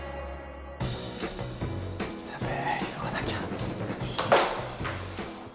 やべえ急がなきゃ。